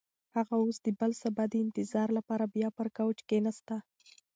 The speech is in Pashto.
هغه اوس د بل سبا د انتظار لپاره بیا پر کوچ کښېناسته.